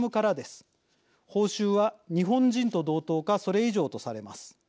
報酬は日本人と同等かそれ以上とされます。